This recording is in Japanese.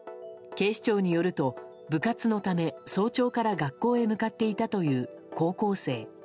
警視庁によると部活のため、早朝から学校へ向かっていたという高校生。